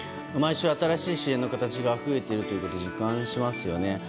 毎週、新しい支援の形が増えていることを実感しますよね。